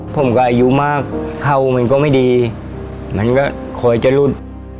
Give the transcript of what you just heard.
ผมก็อายุมากเข้ามันก็ไม่ดีมันก็คอยจะหลุด